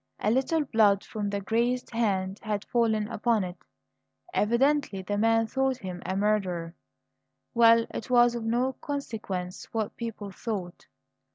A little blood from the grazed hand had fallen upon it. Evidently the man thought him a murderer. Well, it was of no consequence what people thought.